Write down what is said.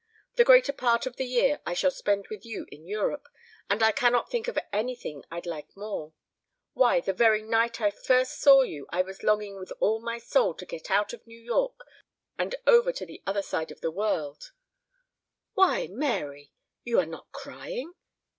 The greater part of the year I shall spend with you in Europe, and I cannot think of anything I'd like more why, the very night I first saw you I was longing with all my soul to get out of New York and over to the other side of the world Why, Mary! You are not crying?